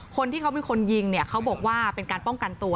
คนที่เขามีคนยิงเขาบอกว่าเป็นการป้องกันตัว